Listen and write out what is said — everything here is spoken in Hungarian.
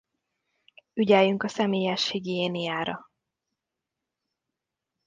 Ügyeljünk a személyes higiéniára.